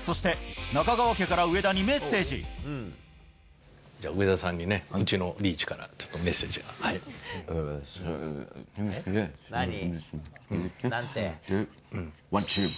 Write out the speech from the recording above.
そして、中川家から上田にメッセじゃあ、上田さんにね、うちのリーチからちょっとメッセージが。、ＯＮＥＴＥＡＭ。